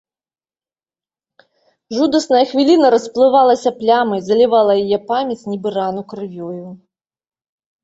Жудасная хвіліна расплывалася плямай, залівала яе памяць, нібы рану крывёю.